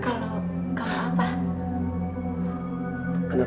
kalau tidak apa apa